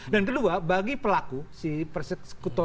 dan kedua bagi pelaku si persekutu